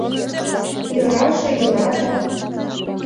Йӧраже йӧра да...